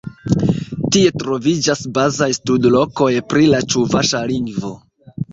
Tie troviĝas bazaj studlokoj pri la ĉuvaŝa lingvo.